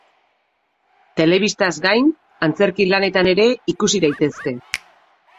Telebistaz gain, antzerki lanetan ere ikusi daitezke.